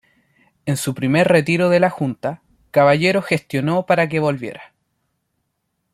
En su primer retiro de la Junta, Caballero gestionó para que volviera.